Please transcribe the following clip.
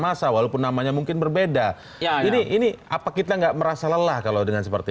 masa walaupun namanya mungkin berbeda ini ini apa kita enggak merasa lelah kalau dengan seperti